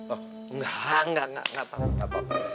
enggak enggak enggak enggak enggak apa apa